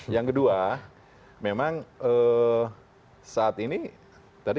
yang kedua memang saat ini tadi